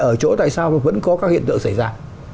ở chỗ tại sao vẫn có các hiện tượng xảy ra